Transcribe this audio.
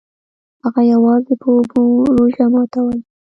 هغه یوازې په اوبو روژه ماتوله.